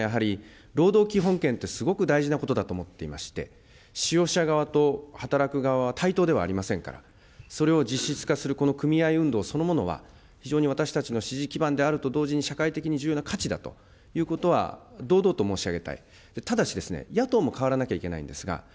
同時に、私どもはやはり、労働基本権ってすごく大事なことだと思っていまして、使用者側と働く側は対等ではありませんから、それを実質化していくこの組合運動そのものは、非常に私たちの支持基盤であると同時に、社会的に重要な価値だということは、堂々と申し上げたい。